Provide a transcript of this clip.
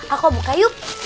aku buka yuk